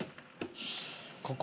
ここ。